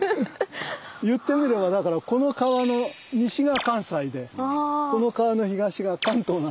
言ってみればだからこの川の西が「関西」でこの川の東が「関東」なんですよ。